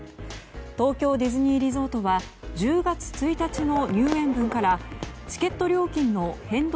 東京ディズニーリゾートは１０月１日の入園分からチケット料金の変動